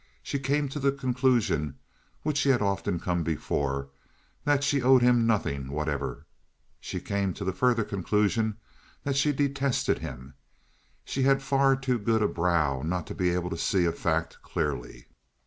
She came to the conclusion to which she had often come before: that she owed him nothing whatever. She came to the further conclusion that she detested him. She had far too good a brow not to be able to see a fact clearly.